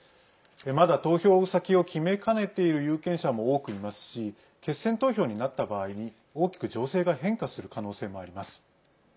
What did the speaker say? まだ、投票先を決めかねている有権者も多くいますし決選投票になった場合に大きく情勢が変化する可能性もあります。